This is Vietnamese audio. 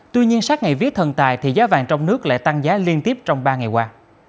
tuy nhiên sát ngày vía thần tài thì giá vàng trong nước lại tăng giá liên tiếp trong ba ngày qua